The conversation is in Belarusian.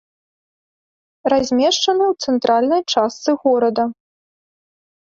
Размешчаны ў цэнтральнай частцы горада.